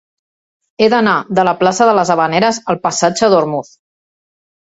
He d'anar de la plaça de les Havaneres al passatge d'Ormuz.